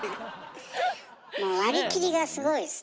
もう割り切りがすごいですね。